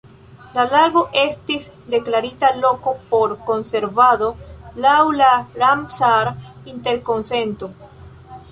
La lago estis deklarita loko por konservado laŭ la Ramsar-Interkonsento.